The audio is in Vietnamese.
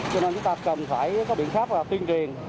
cho nên chúng ta cần phải có biện pháp là tuyên truyền